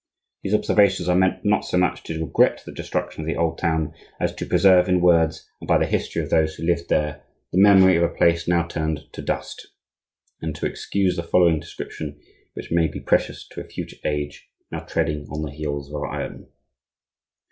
These observations are meant not so much to regret the destruction of the old town, as to preserve in words, and by the history of those who lived there, the memory of a place now turned to dust, and to excuse the following description, which may be precious to a future age now treading on the heels of our own.